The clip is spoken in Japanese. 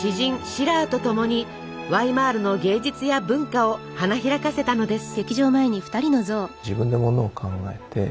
シラーとともにワイマールの芸術や文化を花開かせたのです。